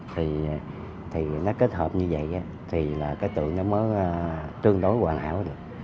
thì nó kết hợp như vậy thì tượng nó mới trương đối hoàn hảo được